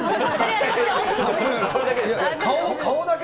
顔だけ？